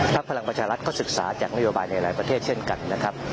พลังประชารัฐก็ศึกษาจากนโยบายในหลายประเทศเช่นกันนะครับ